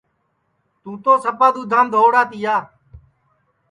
تُوں تو سپا دؔدھام دھؤڑا تِیا